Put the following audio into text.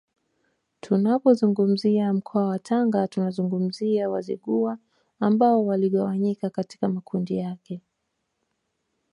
Tunapozungumzia mkoa wa Tanga tunazungumzia Wazigua ambao waligawanyika katika makundi yake